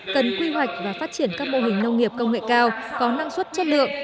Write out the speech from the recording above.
cần quy hoạch và phát triển các mô hình nông nghiệp công nghệ cao có năng suất chất lượng